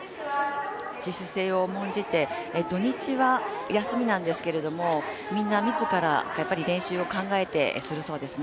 自主性を重んじて、土日は休みなんですけど、みんな自ら練習を考えてするそうですね。